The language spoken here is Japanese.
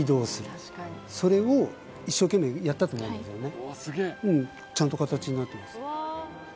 それを一生懸命やったと思うんですよね